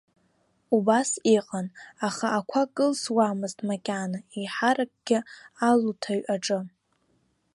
Убас иҟан, аха ақәа кылсуамызт макьана, еиҳаракгьы алуҭаҩ аҿы.